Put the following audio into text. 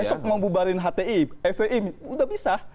besok mau bubarin hti fvi udah bisa